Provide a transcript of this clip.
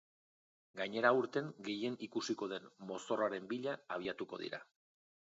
Gainera aurten gehien ikusiko den mozorroaren bila abiatuko dira.